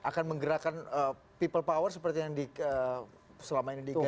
akan menggerakkan people power seperti yang selama ini dikatakan